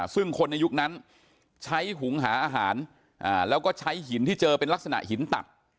ซึ่งคนในยุคนั้นใช้หุงหาอาหารแล้วก็ใช้หินที่เจอเป็นลักษณะหินตับ